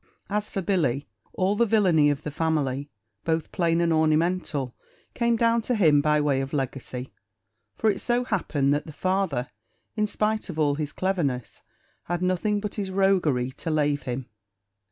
As for Billy, all the villainy of the family, both plain and ornamental, came down to him by way of legacy; for it so happened that the father, in spite of all his cleverness, had nothing but his roguery to lave him.